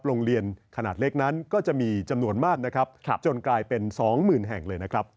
โรงเรียนขนาดเล็กนั้นก็จะมีจำนวนมากนะครับจนกลายเป็นสองหมื่นแห่งเลยนะครับ